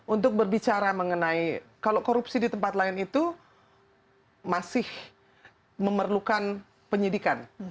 untuk berbicara mengenai kalau korupsi di tempat lain itu masih memerlukan penyidikan